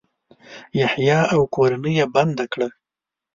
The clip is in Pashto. یحیی او کورنۍ یې بنده کړه.